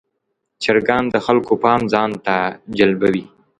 چرګان د خلکو پام ځان ته جلبوي.